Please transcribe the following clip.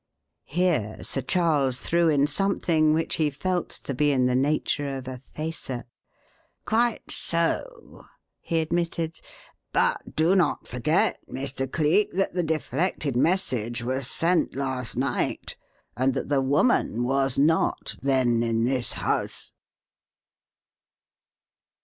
Here Sir Charles threw in something which he felt to be in the nature of a facer. "Quite so," he admitted. "But do not forget, Mr. Cleek, that the deflected message was sent last night, and that the woman was not then in this house."